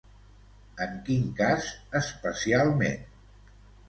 En quin cas especialment?